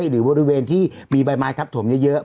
หรือบริเวณที่มีใบไม้ทับถมเยอะ